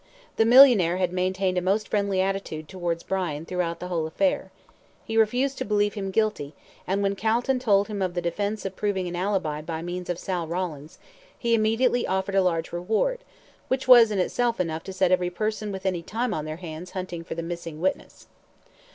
The millionaire had maintained a most friendly attitude towards Brian throughout the whole affair. He refused to believe him guilty, and when Calton told him of the defence of proving an ALIBI by means of Sal Rawlins, he immediately offered a large reward, which was in itself enough to set every person with any time on their hands hunting for the missing witness.